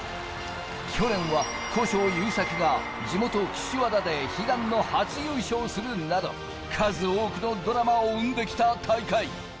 去年は古性優作が地元・岸和田で悲願の初優勝をするなど、数多くのドラマを生んできた大会。